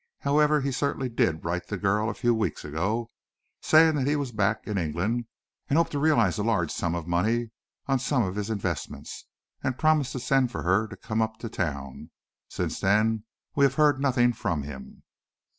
However, he certainly did write the girl, a few weeks ago, saying that he was back in England, and hoped to realize a large sum of money on some of his investments, and promised to send for her to come up to town. Since then, we have heard nothing from him."